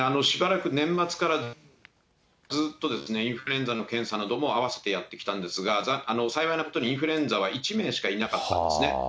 しばらく年末からずっとですね、インフルエンザの検査などもあわせてやってきたんですが、幸いなことにインフルエンザは１名しかいなかったんですね。